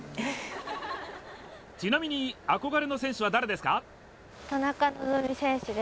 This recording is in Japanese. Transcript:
ちなみに憧れの選手は誰ですか？